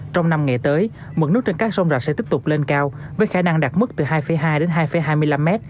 trong năm ngày tới mực nước trên các sông rạch sẽ tiếp tục lên cao với khả năng đạt mức từ hai hai đến hai hai mươi năm m